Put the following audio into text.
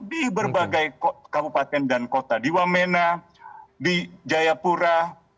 di berbagai kabupaten dan kota di wamena di jayapura